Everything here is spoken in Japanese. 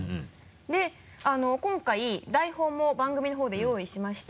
で今回台本も番組のほうで用意しまして。